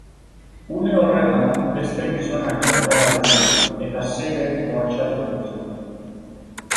Une horretan, beste gizonak bertaratu ziren, eta seirek bortxatu egin zuten.